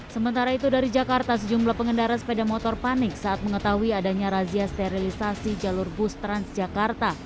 sementara itu dari jakarta sejumlah pengendara sepeda motor panik saat mengetahui adanya razia sterilisasi jalur bus transjakarta